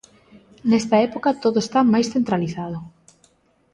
Nesta época todo está máis centralizado.